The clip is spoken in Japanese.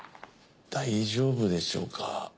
大丈夫でしょうか。